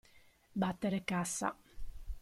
Battere cassa.